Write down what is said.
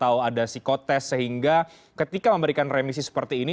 atau ada psikotest sehingga ketika memberikan remisi seperti ini